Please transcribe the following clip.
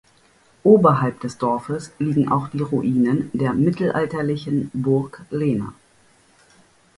Oberhalb des Dorfes liegen auch die Ruinen der mittelalterlichen Burg Lena.